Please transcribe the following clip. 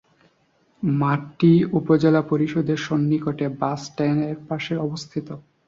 মাঠটি উপজেলা পরিষদের সন্নিকটে বাসষ্ট্যান্ড-এর পাশে অবস্থিত।